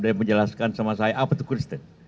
dan menjelaskan sama saya apa itu kristen